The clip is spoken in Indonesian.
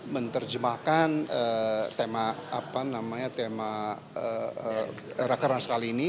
menerjemahkan tema apa namanya tema rakeran kali ini